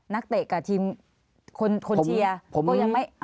เตะกับทีมคนเชียร์ผมก็ยังไม่